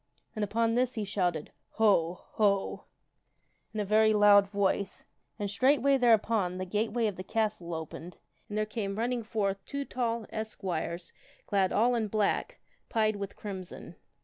And upon this he shouted, " Ho ! Ho !" in a very loud voice, and straightway there upon the gateway of the castle opened and there came running forth two tall esquires clad all in black, pied with crimson.